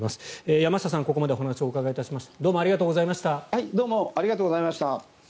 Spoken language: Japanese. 山下さん、ここまでお話をお伺いしました。